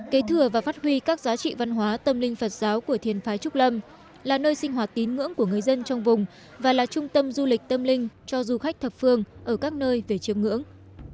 kế thừa và phát huy các giá trị văn hóa tâm linh phật giáo của thiên phái trúc lâm là nơi sinh hoạt tín ngưỡng của người dân trong vùng và là trung tâm du lịch tâm linh cho du khách thập phương ở các nơi về chiếm ngưỡng